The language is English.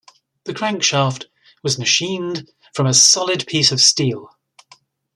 The crankshaft was machined from a solid piece of steel.